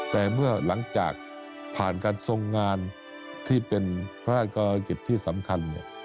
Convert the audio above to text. แต่เมื่อหลังจากผ่านการทรงงานที่เป็นพระราชกรกิจที่สำคัญ